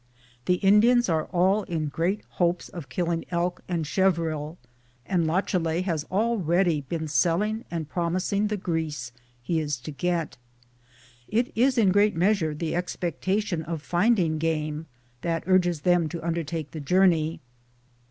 The Indians are all in great hopes of killing elk and chevriel, and Lachalet has already been selling and promising the grease he is to get. It is in a great measure the expectation of finding game that urges them to undertake the journey.